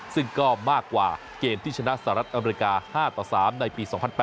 ซึ่งก็มากกว่าเกมที่ชนะสหรัฐอเมริกา๕ต่อ๓ในปี๒๐๐๘